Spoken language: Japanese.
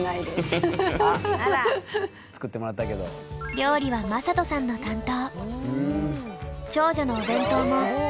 料理は昌人さんの担当。